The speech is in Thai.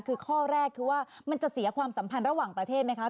คือข้อแรกคือว่ามันจะเสียความสัมพันธ์ระหว่างประเทศไหมคะ